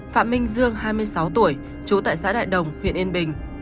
phạm minh dương hai mươi sáu tuổi trú tại xã đại đồng huyện yên bình